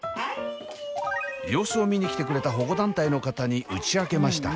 様子を見に来てくれた保護団体の方に打ち明けました。